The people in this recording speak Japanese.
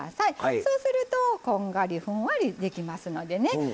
そうすると、こんがりふんわりできますのでね。